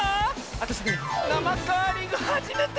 あたしねなまカーリングはじめて！